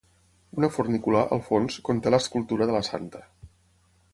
Una fornícula, al fons, conté l'escultura de la santa.